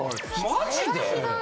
マジで！？